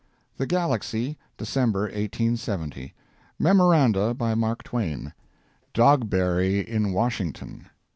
THE GALAXY, December 1870 MEMORANDA. BY MARK TWAIN. DOGBERRY IN WASHINGTON.